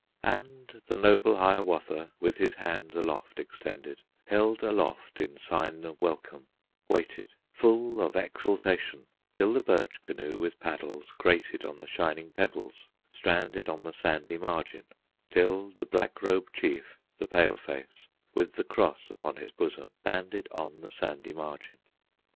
And the noble Hiawatha, With his hands aloft extended, Held aloft in sign of welcome, Waited, full of exultation, Till the birch canoe with paddles Grated on the shining pebbles, Stranded on the sandy margin, Till the Black Robe chief, the Pale face, With the cross upon his bosom, Landed on the sandy margin.